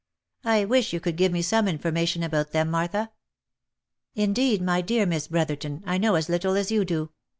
I wish you could give me some information about them, Martha." " Indeed, my dear Miss Brotherton, I know as little as you do.